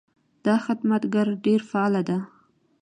دا خدمتګر ډېر فعاله ده.